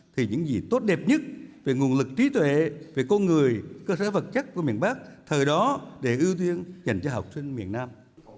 thì những gì tốt đẹp nhất về nguồn lực trí tuệ về con người cơ sở vật chất của miền bắc thời đó để ưu tiên dành cho học sinh miền nam